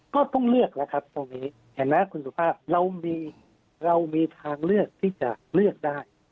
ก็ต้องเลือกแล้วครับตรงนี้เห็นไหมคุณสุภาพเรามีทางเลือกที่จะเลือกได้